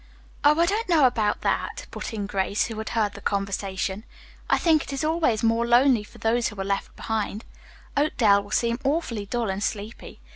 "Oh, I don't know about that," put in Grace, who had heard the conversation. "I think it is always more lonely for those who are left behind. Oakdale will seem awfully dull and sleepy.